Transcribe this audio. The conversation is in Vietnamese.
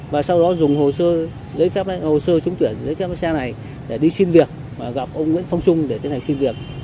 và sau đó dùng hồ sơ trúng tuyển giấy phép xe này để đi xin việc và gặp ông nguyễn phong trung để tiến hành xin việc